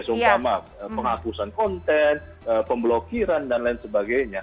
sumpah sama penghapusan konten pemblokiran dan lain sebagainya